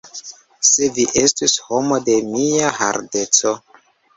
Se vi estus homo de mia hardeco!